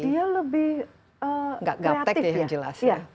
dia lebih kreatif ya